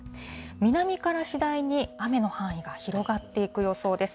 南から次第に雨の範囲が広がっていく予想です。